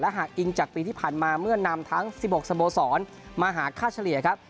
หากอิงจากปีที่ผ่านมาเมื่อนำทั้ง๑๖สโมสรมาหาค่าเฉลี่ยครับ